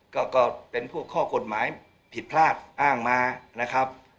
ก็เป็นพวกข้อกฎหมายผิดพลาดอ้างมานะครับ